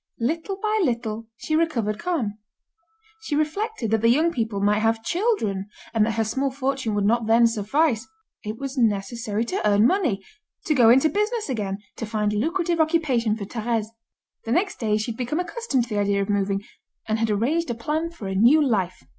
Little by little, she recovered calm. She reflected that the young people might have children, and that her small fortune would not then suffice. It was necessary to earn money, to go into business again, to find lucrative occupation for Thérèse. The next day she had become accustomed to the idea of moving, and had arranged a plan for a new life.